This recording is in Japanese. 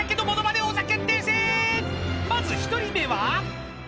［まず１人目は］